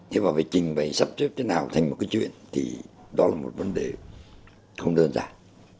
thế mà phải trình bày sắp xếp thế nào thành một cái chuyện thì đó là một vấn đề không đơn giản